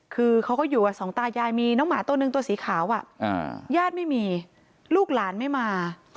คือเขาก็อยู่กับสองตายายมีน้องหมาตัวหนึ่งตัวสีขาวญาติไม่มีลูกหลานไม่มา